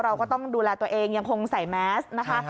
เราก็ต้องดูแลตัวเองยังคงใส่แมสนะคะ